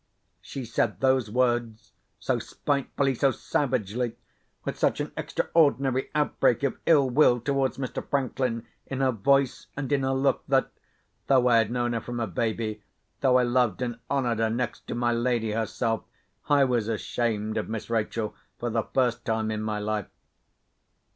She said those words so spitefully, so savagely, with such an extraordinary outbreak of ill will towards Mr. Franklin, in her voice and in her look, that—though I had known her from a baby, though I loved and honoured her next to my lady herself—I was ashamed of Miss Rachel for the first time in my life.